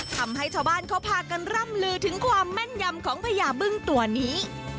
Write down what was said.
ทำให้ชาวบ้านเขาพากันร่ำลือถึงความแม่นยำของพญาบึ้งตัวนี้